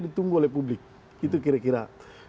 ditunggu oleh publik itu kira kira